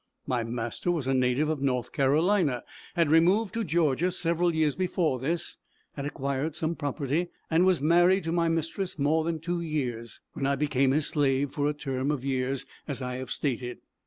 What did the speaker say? My master was a native of North Carolina had removed to Georgia several years before this had acquired some property, and was married to my mistress more than two years, when I became his slave for a term of years, as I have stated.